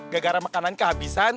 gak gara makanan kehabisan